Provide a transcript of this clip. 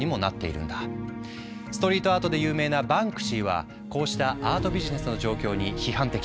ストリートアートで有名なバンクシーはこうしたアート・ビジネスの状況に批判的。